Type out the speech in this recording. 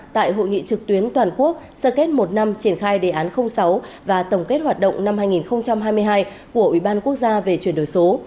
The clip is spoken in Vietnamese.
tại hội nghị trực tuyến toàn quốc sơ kết một năm triển khai đề án sáu và tổng kết hoạt động năm hai nghìn hai mươi hai của ủy ban quốc gia về chuyển đổi số